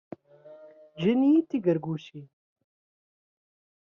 Gan-iyi-d tigargucin.